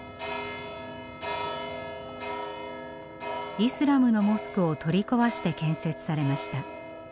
イスラムのモスクを取り壊して建設されました。